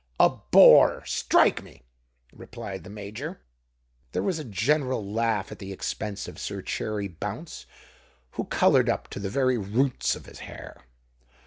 "A bore—strike me!" replied the major. There was a general laugh at the expense of Sir Cherry Bounce, who coloured up to the very roots of his hair.